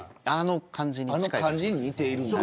あの感じに似ている。